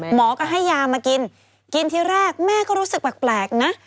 หมอก็ให้ยามากินกินที่แรกแม่ก็รู้สึกแปลกนะ